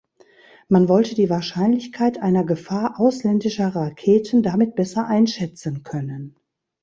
Man wollte die Wahrscheinlichkeit einer Gefahr ausländischer Raketen damit besser einschätzen können.